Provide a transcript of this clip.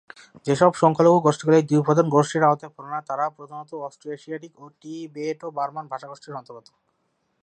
যেসব সংখ্যালঘু গোষ্ঠীগুলি এই দুই প্রধান গোষ্ঠীর আওতায় পড়ে না তারা প্রধানত অস্ট্রো-এশিয়াটিক ও টিবেটো-বার্মান ভাষাগোষ্ঠীর অন্তর্গত।